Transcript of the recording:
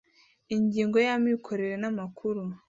ingingo ya imikorere n amakuru